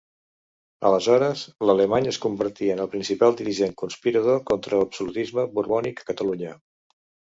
Aleshores, l'alemany es convertí en el principal dirigent conspirador contra l'absolutisme borbònic a Catalunya.